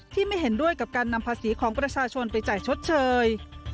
ไม่เห็นด้วยกับการนำภาษีของประชาชนไปจ่ายชดเชย